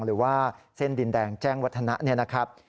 หรือว่าเส้นดินแดงแจ้งวัฒนะ